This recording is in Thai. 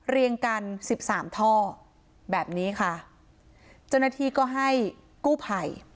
เรียงกันสิบสามท่อแบบนี้ค่ะเจ้าหน้าที่ก็ให้กู้ภัย